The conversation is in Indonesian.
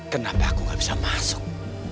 kenapa aku gak bisa masuk